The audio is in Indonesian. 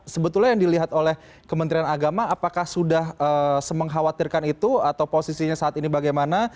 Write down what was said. sebetulnya yang dilihat oleh kementerian agama apakah sudah semengkhawatirkan itu atau posisinya saat ini bagaimana